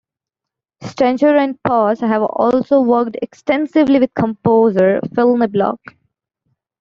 Stenger and Poss have also worked extensively with composer Phill Niblock.